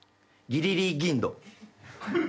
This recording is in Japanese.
ギリリーギンド。